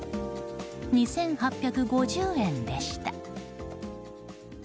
２８５０円でした。